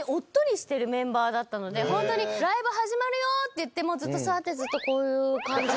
でもホントに。って言ってもずっと座ってずっとこういう感じで。